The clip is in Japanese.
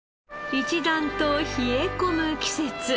一段と冷え込む季節。